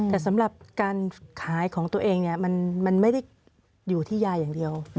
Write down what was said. แต่สำหรับการขายของตัวเองเนี่ยมันไม่ได้อยู่ที่ยาอย่างเดียว